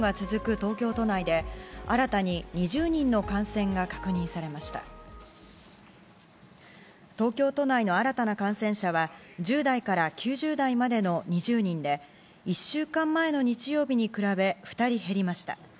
東京都内の新たな感染者は１０代から９０代までの２０人で１週間前の日曜日に比べ２人減りました。